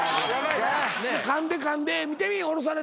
かんでかんで見てみい降ろされたやろ。